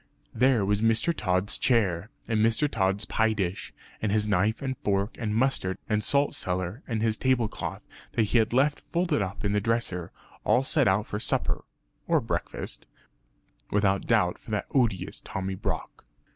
There was Mr. Tod's chair, and Mr. Tod's pie dish, and his knife and fork and mustard and salt cellar and his table cloth that he had left folded up in the dresser all set out for supper (or breakfast) without doubt for that odious Tommy Brock.